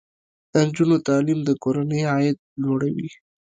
د نجونو تعلیم د کورنۍ عاید لوړوي.